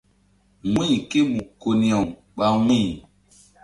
Wu̧y ké mu ko-aw ɓa wu̧y.